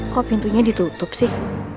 kok pintunya ditutup sih